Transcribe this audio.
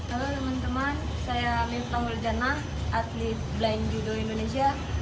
halo teman teman saya miftah muljana atlet blind judo indonesia